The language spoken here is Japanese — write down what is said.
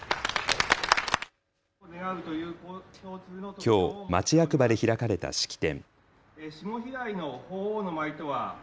きょう町役場で開かれた式典。